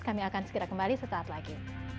kami akan segera kembali sesaat lagi